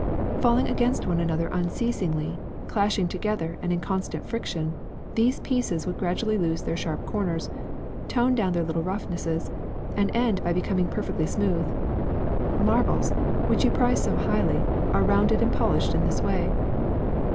*^ Falling against one another unceasingly, clashing together and in constant friction, these pieces would gradually lose their sharp corners, tone down their little roughnesses, and end by becoming perfectly smooth. Marbles, which you prize so highly, are rounded and polished in this way.